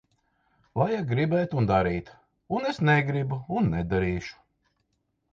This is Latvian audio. Vajag gribēt un darīt. Un es negribu un nedarīšu.